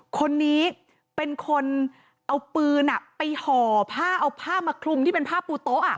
คนนี้เป็นคนเอาปืนไปห่อผ้าเอาผ้ามาคลุมที่เป็นผ้าปูโต๊ะ